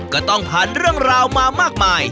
ก็ต้องผ่านเรื่องราวมามากมาย